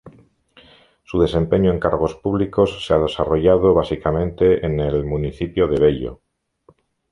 Su desempeño en cargos públicos se ha desarrollado básicamente en el municipio de Bello.